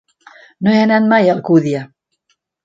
No he anat mai a Alcúdia.